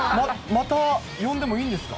また呼んでもいいんですか？